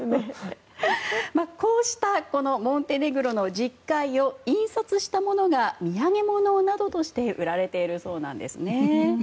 こうしたこのモンテネグロの十戒を引用したものが土産物などとして売られているそうです。